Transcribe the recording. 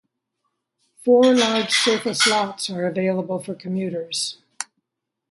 Four large surface lots are available for commuters.